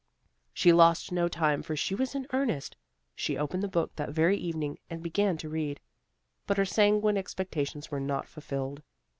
She lost no time, for she was in earnest. She opened the book that very evening, and began to read. But her sanguine expectations were not fulfilled.